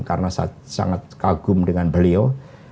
karena sangat kagum dengan beliau